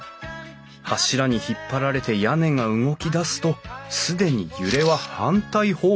柱に引っ張られて屋根が動き出すと既に揺れは反対方向へ。